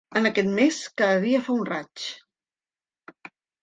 En aquest mes cada dia fa un raig.